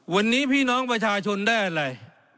วันนี้พี่น้องประชาชนได้อะไร